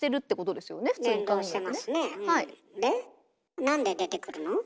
なんで出てくるの？